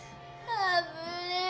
危ねえ。